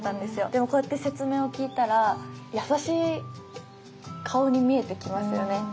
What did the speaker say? でもこうやって説明を聞いたら優しい顔に見えてきますよね何か。